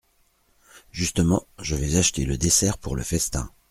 Justement… je vais acheter le dessert pour le festin…